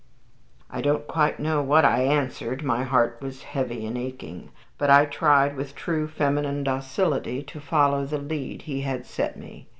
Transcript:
I don't quite know what I answered, my heart was heavy and aching, but I tried with true feminine docility to follow the lead he had set me.